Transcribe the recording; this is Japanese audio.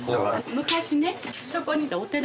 昔ね。